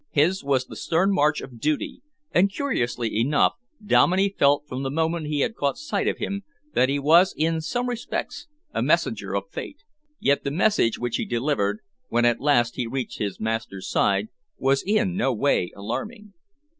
His was the stern march of duty, and, curiously enough, Dominey felt from the moment he caught sight of him that he was in some respects a messenger of Fate. Yet the message which he delivered, when at last he reached his master's side, was in no way alarming.